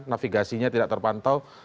navigasinya tidak terpantau